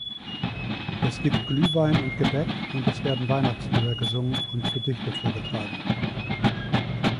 Es gibt Glühwein und Gebäck und es werden Weihnachtslieder gesungen und Gedichte vorgetragen.